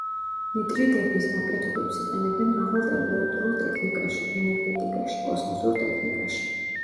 ნიტრიდების ნაკეთობებს იყენებენ მაღალ ტემპერატურულ ტექნიკაში, ენერგეტიკაში, კოსმოსურ ტექნიკაში.